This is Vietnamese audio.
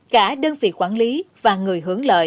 cả đơn vị quản lý và người hướng lợi